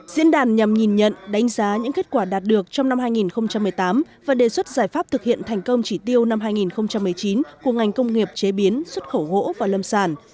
diễn đàn nhằm nhìn nhận đánh giá những kết quả đạt được trong năm hai nghìn một mươi tám và đề xuất giải pháp thực hiện thành công chỉ tiêu năm hai nghìn một mươi chín của ngành công nghiệp chế biến xuất khẩu gỗ và lâm sản